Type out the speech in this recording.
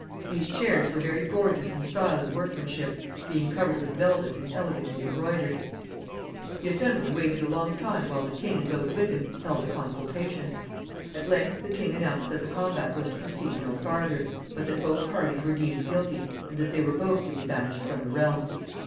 These chairs were very gorgeous in style and workmanship, being covered with velvet, and elegantly embroidered. The assembly waited a long time while the king and those with him held a consultation. At length the king announced that the combat was to proceed no farther, but that both parties were deemed guilty, and that they were both to be banished from the realm.